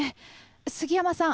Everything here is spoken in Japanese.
杉山さん